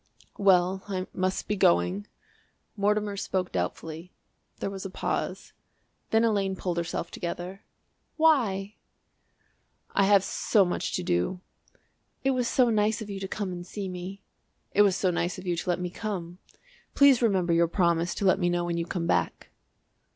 "Well, I must be going." Mortimer spoke doubtfully. There was a pause. Then Elaine pulled herself together. "Why?" "I have so much to do." "It was so nice of you to come and see me." "It was so nice of you to let me come. Please remember your promise to let me know when you come back."